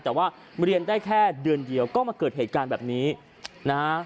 แต่ว่าเรียนได้แค่เดือนเดียวก็มาเกิดเหตุการณ์แบบนี้นะฮะ